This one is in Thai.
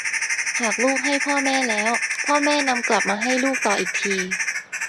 หากลูกให้พ่อแม่แล้ว พ่อแม่นำกลับมาให้ลูกต่ออีกที